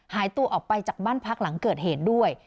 หายตัวออกไปจากบ้านพักหลังเกิดเหตุด้วย